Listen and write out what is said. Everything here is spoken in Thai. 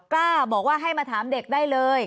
กล้าบอกว่าให้มาถามเด็กได้เลย